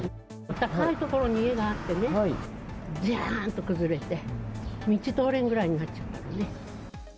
高い所に家があってね、じゃーっと崩れて、道通れんぐらいになっちゃったもんね。